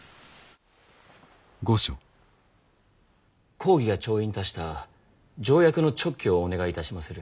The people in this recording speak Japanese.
公儀が調印いたした条約の勅許をお願いいたしまする。